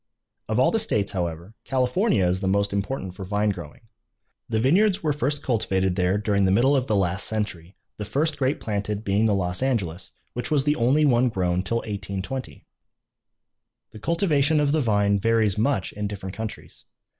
Of all of the states, however, California is the most important for vine growing. The vineyards were first cultivated there during the middle of the last century, the first grape planted being the Los Angeles, which was the only one grown till 1820. The cultivation of the vine varies much in different countries.